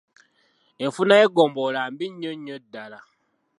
Enfuna y'eggombolola mbi nnyo nnyo ddala.